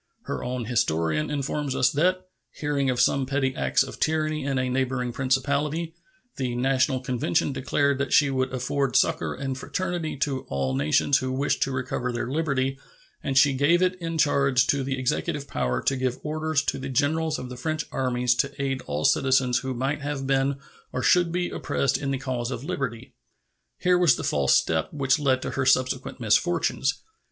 Her own historian informs us that, hearing of some petty acts of tyranny in a neighboring principality, "the National Convention declared that she would afford succor and fraternity to all nations who wished to recover their liberty, and she gave it in charge to the executive power to give orders to the generals of the French armies to aid all citizens who might have been or should be oppressed in the cause of liberty." Here was the false step which led to her subsequent misfortunes.